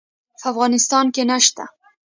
په افغانستان کې نشته